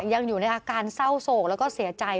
ยังอยู่ในอาการเศร้าโศกแล้วก็เสียใจ